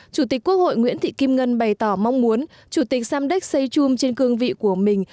chủ tịch quốc hội nguyễn thị kim ngân bày tỏ mong muốn chủ tịch samdek seychum trên cương vị của mình